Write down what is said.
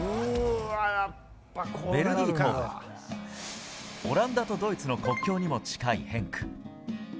ベルギーから、オランダとドイツの国境にも近いヘンク。